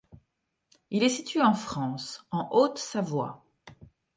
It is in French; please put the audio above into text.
Il est situé en France, en Haute-Savoie.